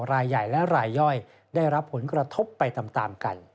รายใหญ่และรายย่อยได้รับผลกระทบไปตามกัน